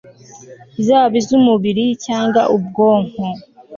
zaba iz'umubiri cyangwa ubwonko